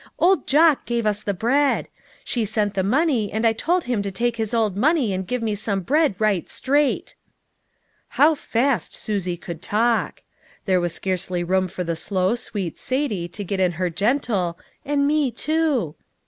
Old Jock gave us the bread. She sent the money, and I told him to take his old money and give me some bread right straight." 52 LITTLE FISHERS : AND THEFR NETS. How fast Susie could talk ! There was scarcely room for the slow sweet Satie to get in her gentle, " and me too."